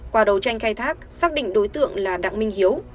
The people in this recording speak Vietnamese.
qua đầu tranh khai thác xác định đối tượng là đặng minh hiếu